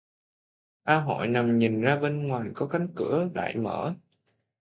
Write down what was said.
A hội nằm nhìn ra bên ngoài có cánh cửa đại mở